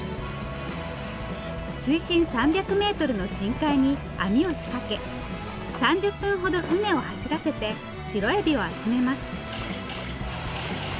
水深３００メートルの深海に網を仕掛け３０分ほど船を走らせてシロエビを集めます。